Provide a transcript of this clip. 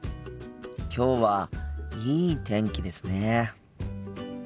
きょうはいい天気ですね。